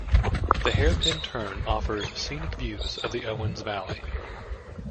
The hairpin turn offers scenic views of the Owens Valley.